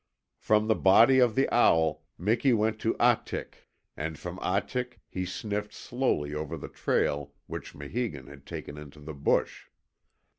From the body of the owl Miki went to Ahtik, and from Ahtik he sniffed slowly over the trail which Maheegun had taken into the bush.